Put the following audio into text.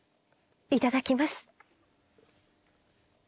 いただきます。